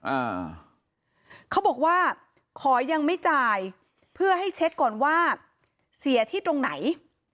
อ่าเขาบอกว่าขอยังไม่จ่ายเพื่อให้เช็คก่อนว่าเสียที่ตรงไหน